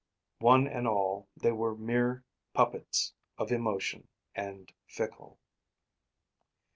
One and all they were mere puppets of emotion, and fickle.